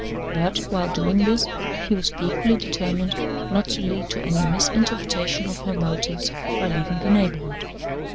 But, while doing this, she was equally determined not to lead to any misinterpretation of her motives by leaving the neighborhood.